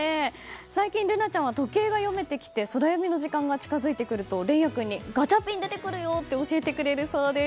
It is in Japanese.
最近、瑠奈ちゃんは時計が読めてきてソラよみの時間が近づいてくると蓮也君にガチャピン出てくるよって教えてくれるそうです。